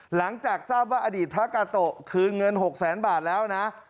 หลังจากทราบว่าอดีตพระกาโตะคืนเงิน๖แสนบาทแล้วนะ